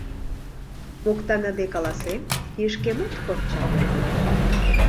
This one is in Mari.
Моктаныде каласем, кишке моткоч чапле лие.